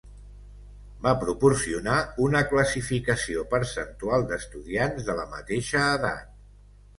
Va proporcionar una classificació percentual d'estudiants de la mateixa edat.